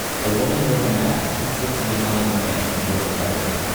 A woman with a mask sits behind a man on a motorcycle